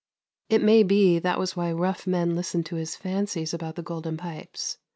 It may be that was why rough men listened to his fancies about the Golden Pipes.